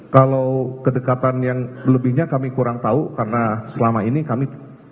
kalau kedekatan yang berlebihnya kami kurang tahu karena selama ini kami